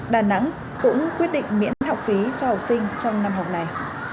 đà nẵng cũng quyết định miễn học phí cho học sinh trong năm học này